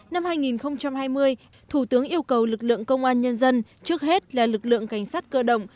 năm hai nghìn hai mươi thủ tướng yêu cầu lực lượng công an nhân dân trước hết là lực lượng cảnh sát cơ động